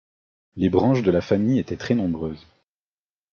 Les branches de la famille étaient très nombreuses.